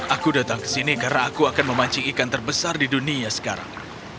aku datang ke sini karena aku akan memancing ikan terbesar di dunia sekarang